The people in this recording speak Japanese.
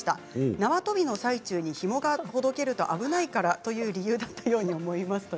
縄跳びの最中にひもがほどけると危ないという理由だったように思えますと。